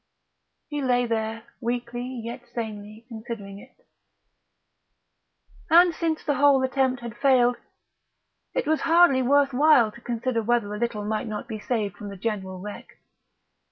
He lay there, weakly yet sanely considering it.... And since the whole attempt had failed, it was hardly worth while to consider whether a little might not be saved from the general wreck.